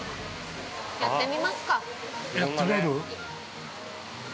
やってみますか。